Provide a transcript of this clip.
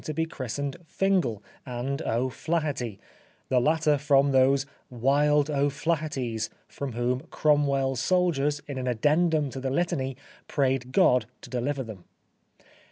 The Life of Oscar Wilde be christened Fingal and O' Flaherty ; the latter from those " wild O'Flahertys " from whom Cromwell's soldiers in an addendum to the Litany prayed God to deliver them.